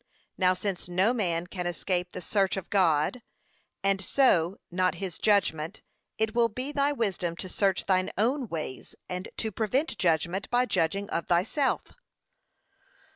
Now since no man can escape the search of God, and so, not his judgment; it will be thy wisdom to search thine own ways, and to prevent judgment by judging of thyself.